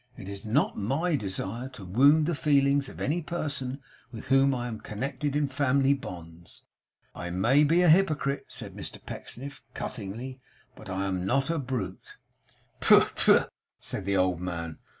It is not MY desire to wound the feelings of any person with whom I am connected in family bonds. I may be a Hypocrite,' said Mr Pecksniff, cuttingly; 'but I am not a Brute.' 'Pooh, pooh!' said the old man.